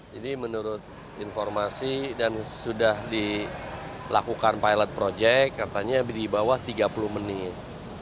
jadi menurut informasi dan sudah dilakukan pilot proyek katanya di bawah tiga puluh menit